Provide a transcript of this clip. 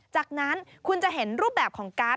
จากนั้นคุณจะเห็นรูปแบบของการ์ด